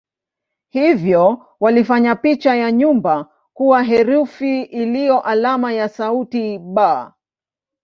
Hivyo walifanya picha ya nyumba kuwa herufi iliyo alama ya sauti "b".